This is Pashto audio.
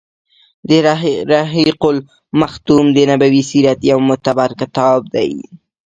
رحيق المختوم د نبوي سیرت يو معتبر کتاب دی.